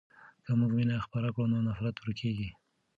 که موږ مینه خپره کړو نو نفرت ورکېږي.